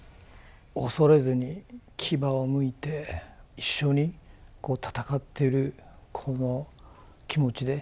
恐れずに牙をむいて一緒に戦ってるこの気持ちで。